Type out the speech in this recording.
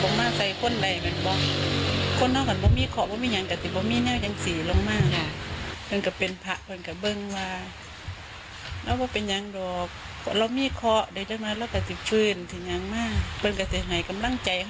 เรามีขอใดด้วยของปรากฏขึ้นแก็จะหายกำลังใจเขาแล้วเนอะค่ะ